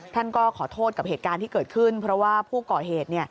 ท่านก็ขอโทษกับเหตุการณ์ที่เกิดขึ้นเพราะว่าผู้ก่อเหตุ